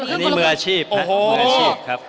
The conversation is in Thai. อันนี้มืออาชีพนะมืออาชีพครับ